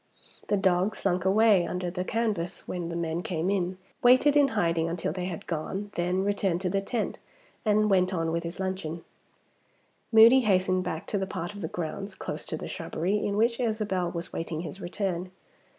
The dog slunk away under the canvas when the men came in, waited in hiding until they had gone, then returned to the tent, and went on with his luncheon. Moody hastened back to the part of the grounds (close to the shrubbery) in which Isabel was waiting his return.